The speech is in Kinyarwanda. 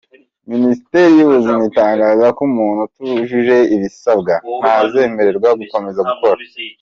Minisiteri y’Ubuzima itangaza ko umuntu utujuje ibisabwa ntazemererwa gukomeza gukora.